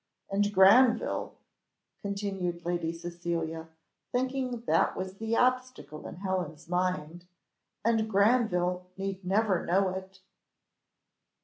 And Granville," continued Lady Cecilia, thinking that was the obstacle in Helen's mind, "and Granville need never know it."